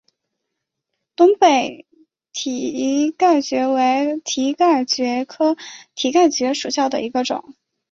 东北蹄盖蕨为蹄盖蕨科蹄盖蕨属下的一个种。